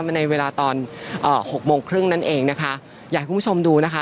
ในเวลาตอนเอ่อหกโมงครึ่งนั่นเองนะคะอยากให้คุณผู้ชมดูนะคะ